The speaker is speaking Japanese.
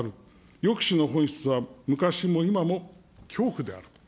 抑止の本質は昔も今も恐怖であると。